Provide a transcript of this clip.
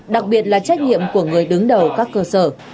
đặc biệt là trách nhiệm của người đứng đầu các cơ sở